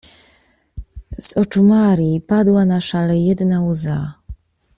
Z oczu Marii padła na szalę jedna łza.